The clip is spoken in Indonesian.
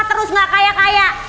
terus gak kaya kaya